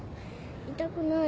痛くない？